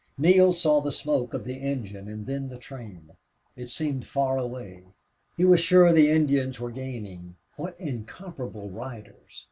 Neale saw the smoke of the engine and then the train. It seemed far away. And he was sure the Indians were gaining. What incomparable riders!